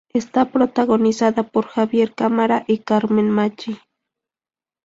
Está protagonizada por Javier Cámara y Carmen Machi.